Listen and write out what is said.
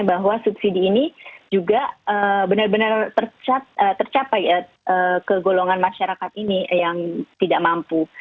bahwa subsidi ini juga benar benar tercapai ke golongan masyarakat ini yang tidak mampu